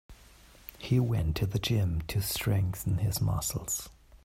He went to gym to strengthen his muscles.